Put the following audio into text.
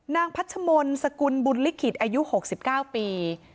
พัชมนต์สกุลบุญลิขิตอายุ๖๙ปี